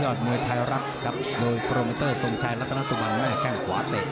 ยอดมวยไทยรักครับโดยโปรมิเตอร์สงชัยรักนสวรรค์แข้งขวาเตะ